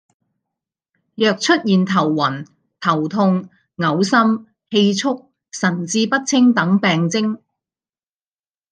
若出現頭暈、頭痛、噁心、氣促、神志不清等病徵